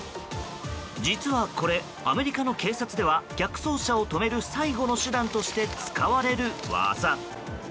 実はこれ、アメリカの警察では逃走車を止める最後の手段として使われる技。